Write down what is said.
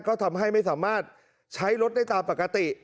ก็ทำให้ไม่สามารถใช้รถได้ตามปกติ